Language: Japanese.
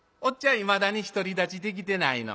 いまだに独り立ちできてないの。